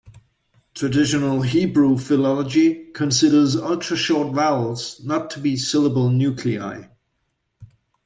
Traditional Hebrew philology considers ultrashort vowels not to be syllable nuclei.